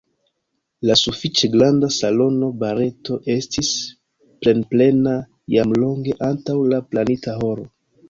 La sufiĉe granda salono Barreto estis plenplena jam longe antaŭ la planita horo.